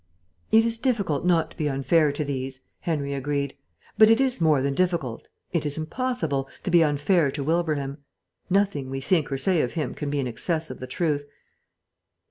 "It is difficult not to be unfair to these," Henry agreed. "But it is more than difficult, it is impossible, to be unfair to Wilbraham. Nothing we think or say of him can be in excess of the truth.